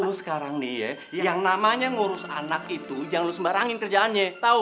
jadi lu sekarang nih ya yang namanya ngurus anak itu jangan lu sembarangin kerjaannya tau